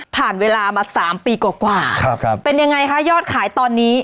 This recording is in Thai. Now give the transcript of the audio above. ผ่านเวลามาสามปีกว่ากว่าครับครับเป็นยังไงคะยอดขายตอนนี้